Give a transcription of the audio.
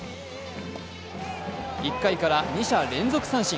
１回から二者連続三振。